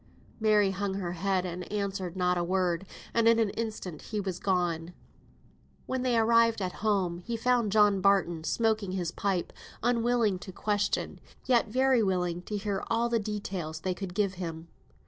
Mary hung her head and answered not a word, and in an instant he was gone. When they arrived at home, they found John Barton smoking his pipe, unwilling to question, yet very willing to hear all the details they could give him.